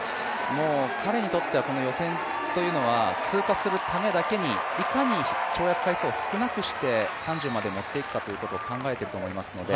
彼にとってはこの予選というのは通過するためだけに、いかに跳躍回数を少なくして３０までもっていくかということを考えていると思いますので